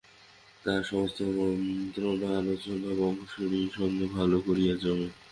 তাহার সমস্ত মন্ত্রণা আলোচনা বংশীর সঙ্গেই ভালো করিয়া জমে।